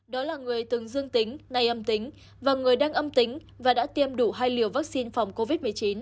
đó là người từng dương tính nay âm tính và người đang âm tính và đã tiêm đủ hai liều vaccine phòng covid một mươi chín